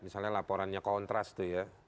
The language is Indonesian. misalnya laporannya kontras tuh ya